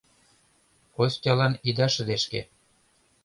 — Костялан ида шыдешке.